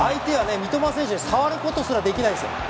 三笘選手に触ることすらできないです。